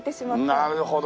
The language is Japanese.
なるほど！